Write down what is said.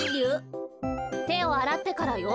てをあらってからよ。